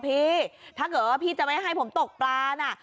พี่ถ้าเกิดว่าพี่จะไม่ให้ผมตกปลาน่ะ